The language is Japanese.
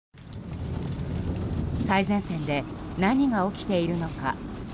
最前線で何が起きているのか。